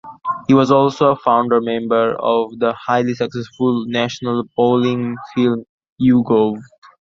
He was also a founder member of the highly successful national polling firm YouGov.